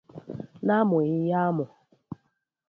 na amụghị ya amụ